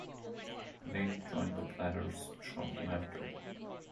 Nate joined The Platters shortly after.